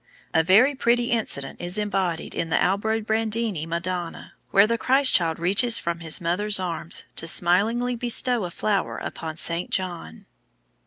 A very pretty incident is embodied in the Aldobrandini Madonna, where the Christ child reaches from his mother's arms to smilingly bestow a flower upon Saint John.